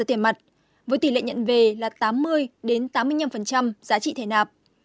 giá trị thẻ nạp là tám mươi tám mươi năm